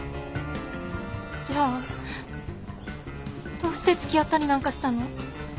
じゃあどうしてつきあったりなんかしたの？